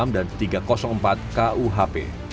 dan tiga ratus empat kuhp